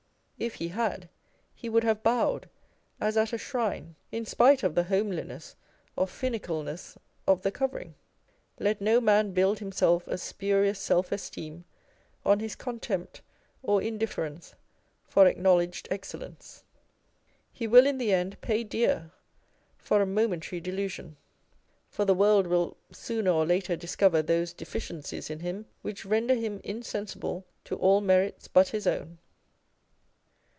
If he had, he would have bowed as at a shrine, in spite of the homeli On Egotism. 221 ness or finicalness of the covering. Let no man build himself a spurious self esteem on his contempt or indiffer ence for acknowledged excellence. He will in the end pay dear for a momentary delusion : for the world will sooner or later discover those deficiencies in him which render him insensible to all merits but his own.